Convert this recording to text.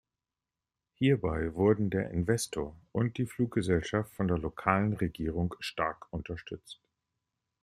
Hierbei wurden der Investor und die Fluggesellschaft von der lokalen Regierung stark unterstützt.